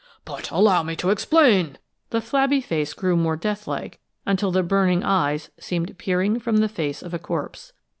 "But allow me to explain!" The flabby face grew more deathlike, until the burning eyes seemed peering from the face of a corpse.